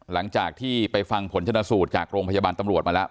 หลังจากที่ไปฟังผลชนะสูตรจากโรงพยาบาลตำรวจมาแล้ว